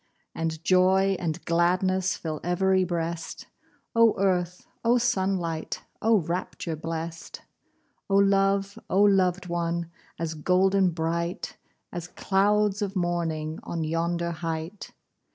And joy and gladness Fill ev'ry breast! Oh earth! oh sunlight! Oh rapture blest! Oh love! oh loved one! As golden bright, As clouds of morning On yonder height!